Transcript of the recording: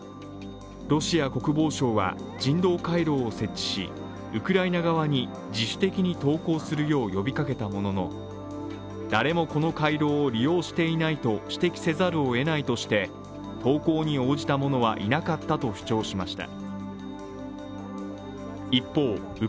ロシア国防省は人道回廊を設置しウクライナ側に自主的に投降するよう呼びかけたものの誰もこの回廊を利用していないと指摘せざるをえないとして投降に応じた者はいなかったと主張しました。